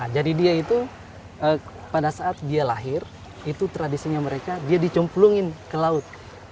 jadi dia itu pada saat dia lahir itu tradisinya mereka dia dicomplungin ke laut